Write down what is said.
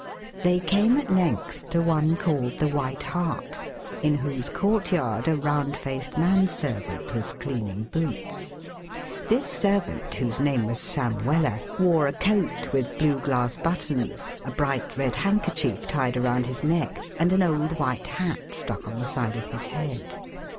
They came at length to one called The White Hart, in whose courtyard a round faced man servant was cleaning boots. This servant, whose name was Sam Weller, wore a coat with blue glass buttons, a bright red handkerchief tied around his neck and an old white hat stuck on the side of his head.